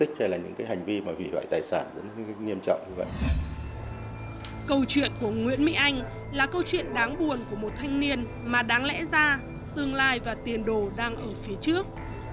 câu chuyện của nguyễn mỹ anh là câu chuyện đáng buồn của một thanh niên mà đáng lẽ ra tương lai và tiền đồ đang ở phía trước